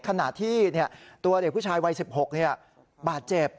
ขณะที่ตัวเด็กผู้ชายวัย๑๖บาดเจ็บ